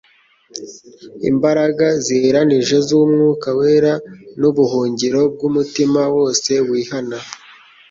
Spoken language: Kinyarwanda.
Imbaraga ziheranije z'Umwuka wera ni ubuhungiro bw'umutima wose wihana.